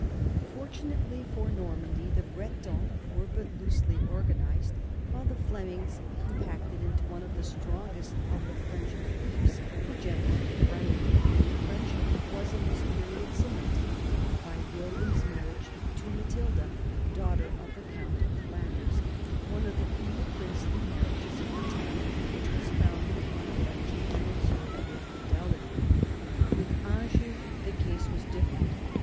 Fortunately for Normandy, the Bretons were but loosely organized, while the Flemings, compacted into one of the strongest of the French fiefs, were generally friendly, and the friendship was in this period cemented by Wil liam's marriage to Matilda, daughter of the count of Flanders, one of the few princely marriages of the time which was founded upon affection and observed with fidelity. With Anjou the case was different.